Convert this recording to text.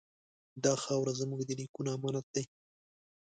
دا خاوره زموږ د نیکونو امانت دی.